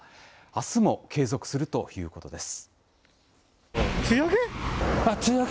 あすも継続するということです。